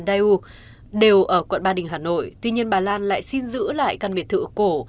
eu đều ở quận ba đình hà nội tuy nhiên bà lan lại xin giữ lại căn biệt thự cổ